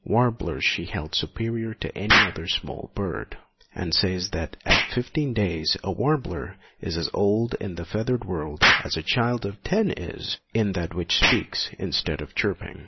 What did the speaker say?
Warblers she held superior to any other small bird, and says that at fifteen days a warbler is as old in the feathered world as a child of ten is in that which speaks instead of chirping.